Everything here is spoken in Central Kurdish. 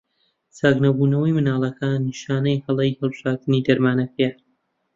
چاکنەبوونەوەی منداڵەکە نیشانەی هەڵە هەڵبژاردنی دەرمانەکەیە.